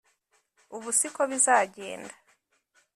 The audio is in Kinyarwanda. ubu si ko bizagenda”